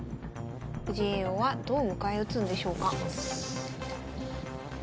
藤井叡王はどう迎え撃つんでしょうか。